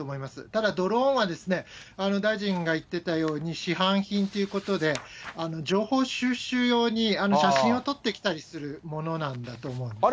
ただドローンは、大臣が言っていたように市販品ということで、情報収集用に写真を撮ってきたりするものなんだと思うんですね。